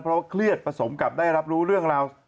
เพราะว่าเครียดผสมกับได้รับรู้เรื่องราว